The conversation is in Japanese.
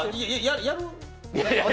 やる？